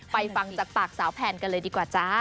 ฟังจากปากสาวแผนกันเลยดีกว่าจ้า